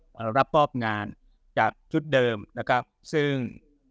มารับมอบงานจากชุดเดิมนะครับซึ่ง